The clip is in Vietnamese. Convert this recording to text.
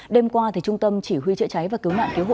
đêm qua trung tâm chỉ huy chữa cháy và cứu nạn cứu hộ